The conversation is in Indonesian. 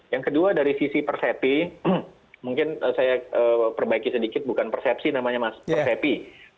yang kedua dari sisi persepi mungkin saya perbaiki sedikit bukan persepsi namanya mas persepi